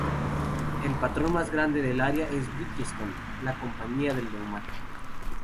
El patrón más grande del área es Bridgestone, la compañía del neumático.